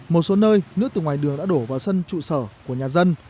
một số nơi nước từ ngoài đường đã đổ vào sân trụ sở của nhà dân